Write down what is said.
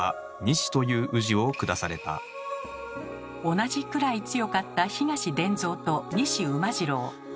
同じくらい強かった「東伝蔵」と「西馬次郎」。